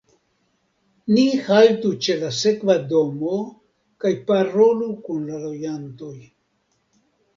Ni haltu ĉe la sekva domo kaj parolu kun la loĝantoj.